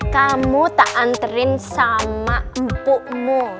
kamu tak anterin sama empukmu